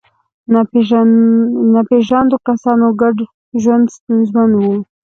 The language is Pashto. د ناپېژاندو کسانو ګډ ژوند ستونزمن و.